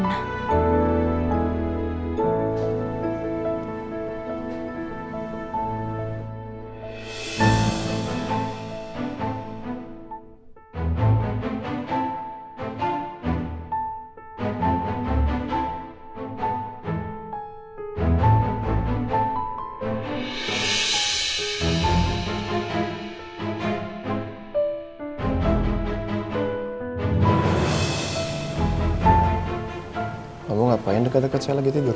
kamu ngapain deket deket saya lagi tidur